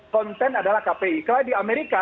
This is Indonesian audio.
konten adalah kpi kalau di amerika